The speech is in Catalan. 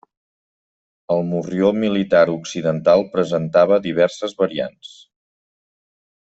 El morrió militar occidental presentava diverses variants.